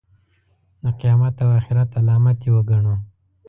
د قیامت او آخرت علامت یې وګڼو.